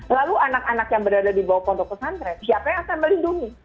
lalu anak anak yang berada di bawah pondok pesantren siapa yang akan melindungi